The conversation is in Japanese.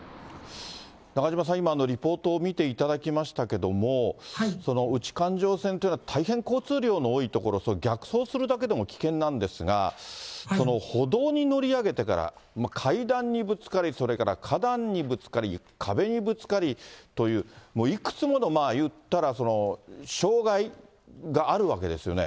中島さん、今、リポートを見ていただきましたけれども、内環状線というのは大変交通量の多い所、逆走するだけでも危険なんですが、歩道に乗り上げてから階段にぶつかり、それから花壇にぶつかり、壁にぶつかりという、もういくつもの、いったら障害があるわけですよね。